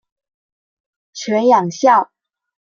犬养孝。